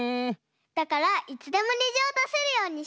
だからいつでもにじをだせるようにしたいんだ。